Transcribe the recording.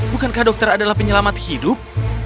bukankah dokter adalah penyelamat hidup